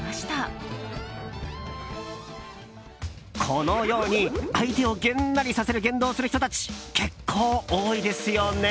このように、相手をげんなりさせる行動をする人たち結構、多いですよね。